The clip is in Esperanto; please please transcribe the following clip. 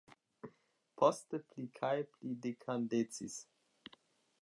Poste pli kaj pli dekandecis.